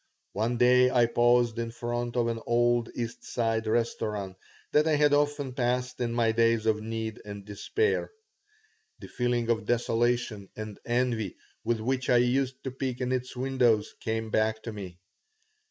One day I paused in front of an old East Side restaurant that I had often passed in my days of need and despair. The feeling of desolation and envy with which I used to peek in its windows came back to me.